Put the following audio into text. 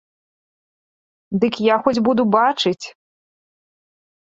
Дык я хоць буду бачыць.